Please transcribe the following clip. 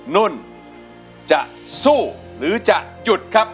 นุ่นจะสู้หรือจะหยุดครับ